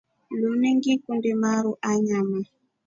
Linu ngikundi maru a nyama.